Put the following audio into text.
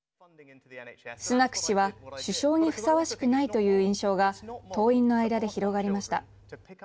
スナク氏は首相にふさわしくないという印象が党員の間で広がりました。